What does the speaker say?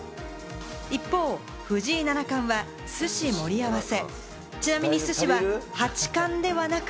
一方、藤井七冠は寿司盛り合わせ。